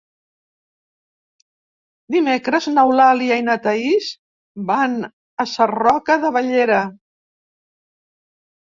Dimecres n'Eulàlia i na Thaís van a Sarroca de Bellera.